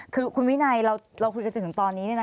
คือคุณวินัยเราคุยกันจนถึงตอนนี้